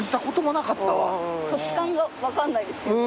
土地勘が分かんないですよね。